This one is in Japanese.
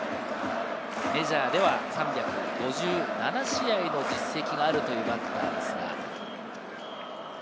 メジャーでは３５７試合の実績があるというバッターですが。